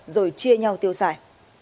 rồi chia nhau tiêu xài